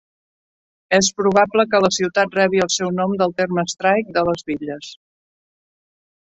És probable que la ciutat rebi el seu nom del terme "strike" de les bitlles.